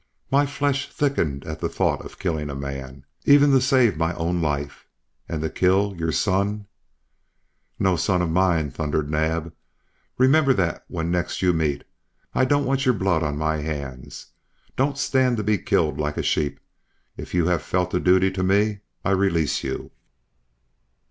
My flesh sickened at the thought of killing a man, even to save my own life; and to kill your son " "No son of mine!" thundered Naab. "Remember that when next you meet. I don't want your blood on my hands. Don't stand to be killed like a sheep! If you have felt duty to me, I release you."